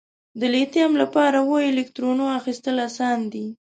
د لیتیم لپاره اووه الکترونو اخیستل آسان دي؟